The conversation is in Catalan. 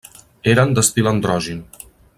Eren d'estil androgin.